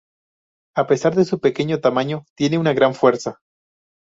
A pesar de su pequeño tamaño, tiene una gran fuerza.